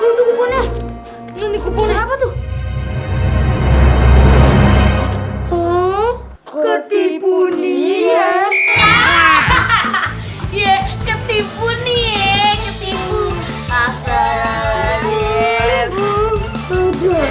oh ketipu nia hahaha ketipu nia ketipu